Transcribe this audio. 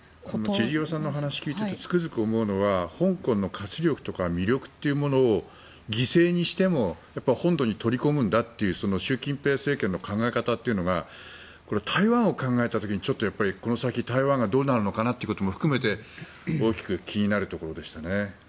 千々岩さんの話を聞いててつくづく思うのは香港の活力とか魅力というものを犠牲にしても本土に取り込むんだという習近平政権の考え方が台湾を考えた時にこの先、台湾がどうなるのかなということも含めて大きく気になるところですね。